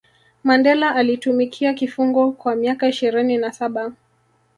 mandela alitumikia kifungo kwa miaka ishirini na saba